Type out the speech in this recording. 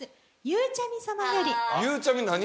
ゆうちゃみ何？